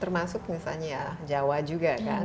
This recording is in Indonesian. termasuk misalnya ya jawa juga kan